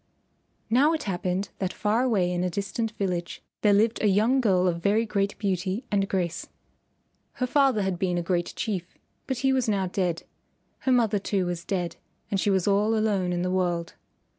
Now it happened that far away in a distant village there lived a young girl of very great beauty and grace. Her father had been a great Chief, but he was now dead. Her mother too was dead, and she was all alone in the world.